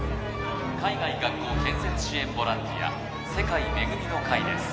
海外学校建設支援ボランティア世界恵みの会です